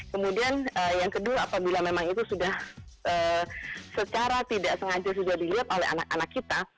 kemudian yang kedua apabila memang itu sudah secara tidak sengaja sudah dilihat oleh anak anak kita